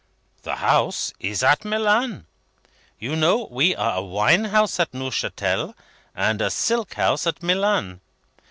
"The House is at Milan. You know, we are a Wine House at Neuchatel, and a Silk House at Milan?